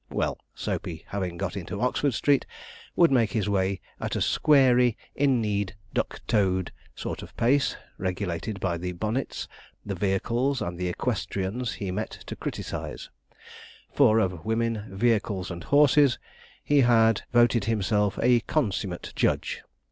Well, Soapey having got into Oxford Street, would make his way at a squarey, in kneed, duck toed, sort of pace, regulated by the bonnets, the vehicles, and the equestrians he met to criticize; for of women, vehicles, and horses, he had voted himself a consummate judge.